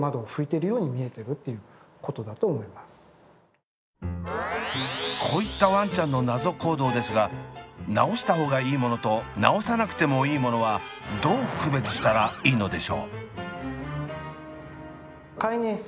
じゃあこういったワンちゃんの謎行動ですが直した方がいいものと直さなくてもいいものは直す必要はないとのことです。